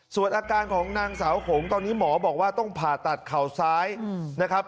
ส่วนอาการของนางสาวหงตอนนี้หมอบอกว่าต้องผ่าตัดเข่าซ้ายนะครับ